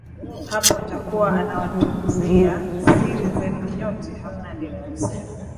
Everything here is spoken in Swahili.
Hapo atakuwa anawatunzia siri zenu nyote hamna aliyemkosea